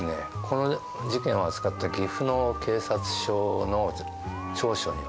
この事件を扱った岐阜の警察署の調書にはですね